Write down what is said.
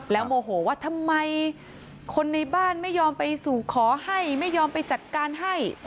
โมโหว่าทำไมคนในบ้านไม่ยอมไปสู่ขอให้ไม่ยอมไปจัดการให้